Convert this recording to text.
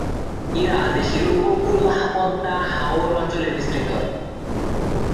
এরা দেশের উপকূল, পদ্মা, হাওর অঞ্চলে বিস্তৃত।